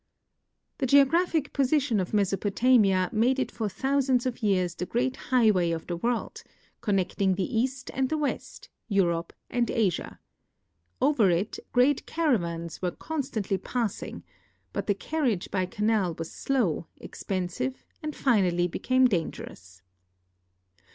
The geographic position of Mesopotamia made it for thousands of 3'ears the great higlnvay of the world— connecting the east and the west, Euroi)e and Asia. Over it great caravans were constantly passing; but the carriage by canal was slow, expen sive, and finally became dangerous.